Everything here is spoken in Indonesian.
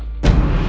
ngomong ada ibu mak